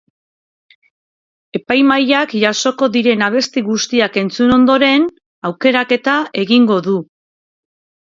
Epaimahaiak jasoko diren abesti guztiak entzun ondoren, aukeraketa egingo du.